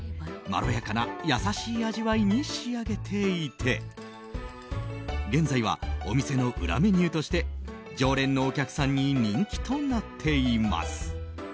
まろやかな優しい味わいに仕上げていて現在は、お店の裏メニューとして常連のお客さんに人気となっています。